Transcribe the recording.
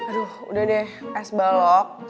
aduh udah deh es balok